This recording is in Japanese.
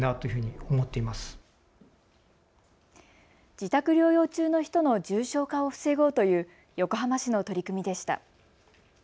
自宅療養中の人の重症化を防ごうという横浜市の取り組みでした。